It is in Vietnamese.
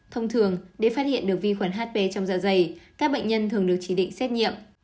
thông thường để phát hiện được vi khuẩn hp trong dạ dày các bệnh nhân thường được chỉ định xét nghiệm